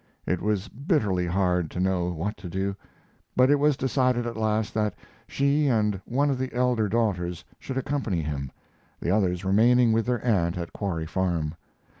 It was bitterly hard to know what to do, but it was decided at last that she and one of the elder daughters should accompany him, the others remaining with their aunt at Quarry Farm.